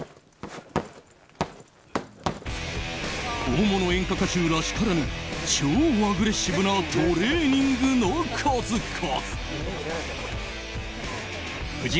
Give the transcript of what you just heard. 大物演歌歌手らしからぬ超アグレッシブなトレーニングの数々。